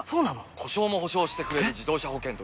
故障も補償してくれる自動車保険といえば？